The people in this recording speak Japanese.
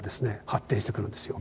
発展してくるんですよ。